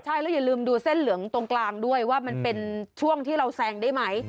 ใช่แล้วอย่าลืมดูเส้นเหลืองตรงกลางด้วยว่ามันเป็นช่วงที่เราแซงได้ไหม